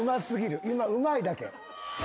今うまいだけ。